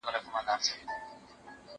زه به سبزیحات تيار کړي وي؟